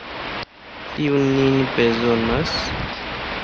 Kiu nin bezonas?